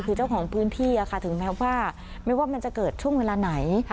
คือเจ้าของพื้นที่ถึงแม้ว่าไม่ว่ามันจะเกิดช่วงเวลาไหน